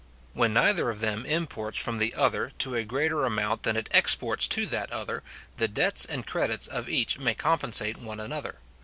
When neither of them imports from from other to a greater amount than it exports to that other, the debts and credits of each may compensate one another.